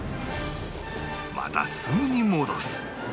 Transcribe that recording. またすぐに戻す